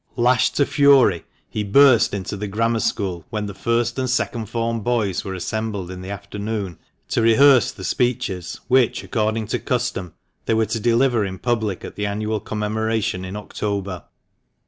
Lashed to fury, he burst into the Grammar School when the first and second form boys were assembled in the afternoon to rehearse the speeches which, according to custom, they were to deliver in public at the annual commemoration in October.